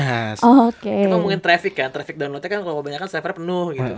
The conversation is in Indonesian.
kita ngomongin traffic ya traffic downloadnya kan kalau kebanyakan server penuh gitu